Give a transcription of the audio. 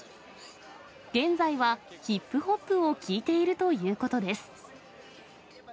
現在はヒップホップを聴いているということです。